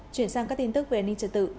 chuyển sang các tin tức về an ninh trật tự